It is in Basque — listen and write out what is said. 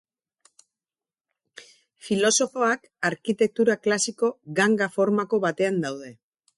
Filosofoak arkitektura klasiko ganga-formako batean daude.